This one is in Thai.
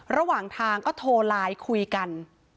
ระหว่างทางก็โทรไลน์คุยกัน